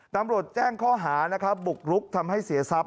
ตำรวจแจ้งข้อหานะครับบุกรุกทำให้เสียทรัพย